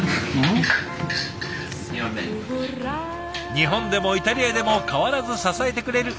日本でもイタリアでも変わらず支えてくれるお弁当さん。